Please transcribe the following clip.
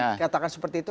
bisa dikatakan seperti itu